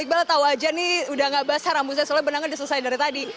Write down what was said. iqbal tahu saja ini sudah tidak basah rambut saya soalnya berenangnya sudah selesai dari tadi